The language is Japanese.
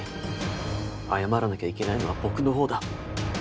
謝らなきゃいけないのは僕の方だ。